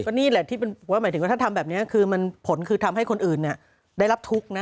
ก็นี่แหละที่ว่าหมายถึงว่าถ้าทำแบบนี้คือมันผลคือทำให้คนอื่นได้รับทุกข์นะ